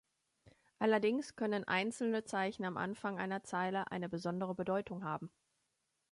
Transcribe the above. Allerdings können einzelne Zeichen am Anfang einer Zeile eine besondere Bedeutung haben.